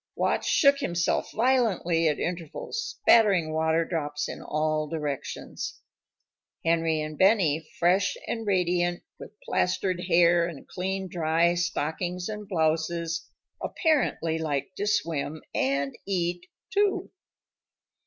Watch shook himself violently at intervals, spattering water drops in all directions. Henry and Benny, fresh and radiant, with plastered hair and clean dry stockings and blouses, apparently liked to swim and eat, too.